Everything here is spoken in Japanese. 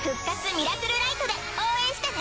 ミラクルライトで応援してね！